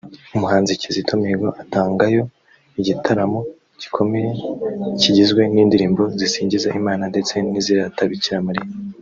umuhanzi Kizito Mihigo atangayo igitaramo gikomeye kigizwe n’indirimbo zisingiza Imana ndetse n’izirata Bikira Mariya